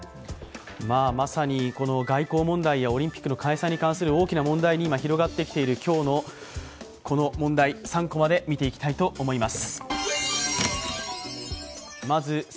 まさに外交問題やオリンピックの開催に関する大きな問題に広がってきているこの問題、３コマで見ていきたいと思います。